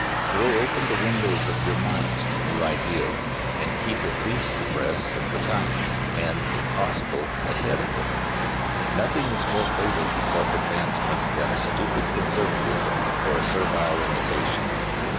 Throw open the windows of your mind to new ideas, and keep at least abreast of the times, and, if possible, ahead of them. Nothing is more fatal to self advancement than a stupid conservatism or a servile imitation.